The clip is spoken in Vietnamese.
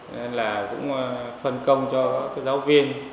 nên cũng phân công cho các giáo viên